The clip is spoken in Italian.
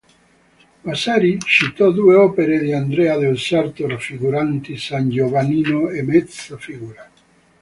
Vasari citò due opere di Andrea del Sarto raffiguranti san Giovannino a mezza figura.